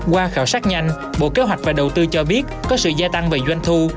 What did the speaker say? qua khảo sát nhanh bộ kế hoạch và đầu tư cho biết có sự gia tăng về doanh thu